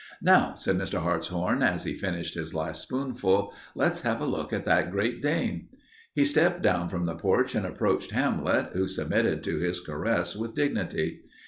"Now," said Mr. Hartshorn, as he finished his last spoonful, "let's have a look at that Great Dane." He stepped down from the porch and approached Hamlet, who submitted to his caress with dignity.